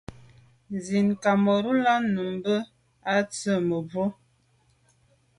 Ndzî Cameroun là'də̌ nù bìn à' tswə́ mə̀bró.